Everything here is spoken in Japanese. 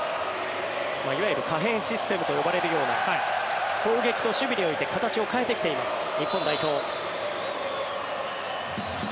いわゆる可変システムと呼ばれるような攻撃と守備において形を変えてきています日本代表。